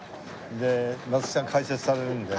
で松木さん解説されるんで。